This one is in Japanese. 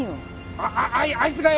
あっあいつがよ